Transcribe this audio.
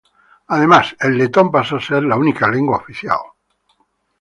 Además, el letón pasó a ser la única lengua oficial.